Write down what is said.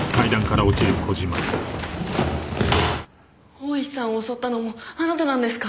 大石さんを襲ったのもあなたなんですか？